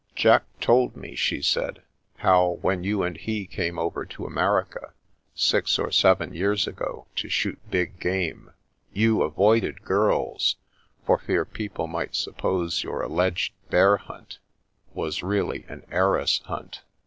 " Jack told me," she said, " how, when you and he came over to America, six or seven years ago, to shoot big game, you avoided girls, for fear people might suppose your alleged bear hunt was really an heiress hunt.